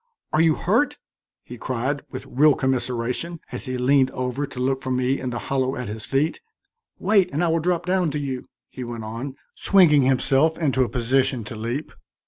"Are you hurt?" he cried, with real commiseration, as he leaned over to look for me in the hollow at his feet. "Wait and I will drop down to you," he went on, swinging himself into a position to leap.